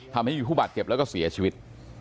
ทำให้มีผู้บาดเจ็บแล้วก็เสียชีวิต